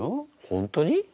本当に？